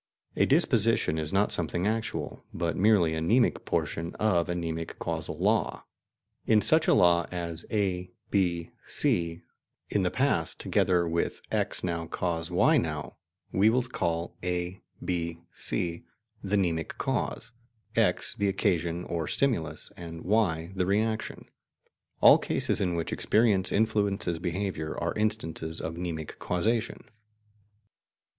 A "disposition" is not something actual, but merely the mnemic portion of a mnemic causal law. In such a law as "A, B, C,... in the past, together with X now, cause Y now," we will call A, B, C,... the mnemic cause, X the occasion or stimulus, and Y the reaction. All cases in which experience influences behaviour are instances of mnemic causation.